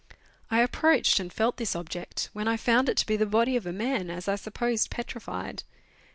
I ap proached and felt this object, when I found it to be the body of a man as I supposed petrified.